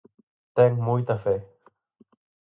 Ten moita fe.